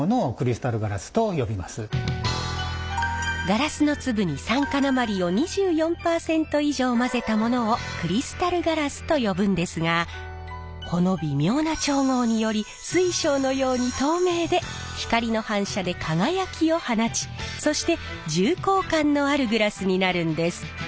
ガラスの粒に酸化鉛を２４％以上混ぜたものをクリスタルガラスと呼ぶんですがこの微妙な調合により水晶のように透明で光の反射で輝きを放ちそして重厚感のあるグラスになるんです。